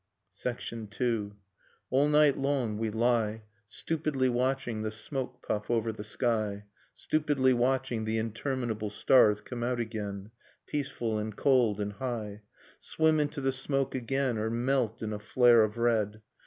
Nocturne of Remembered Spring II. All night long we lie Stupidly watching the smoke puff over the sky, Stupidly watching the interminable stars Come out again, peaceful and cold and high, Swim into the smoke again, or melt in a flare of red.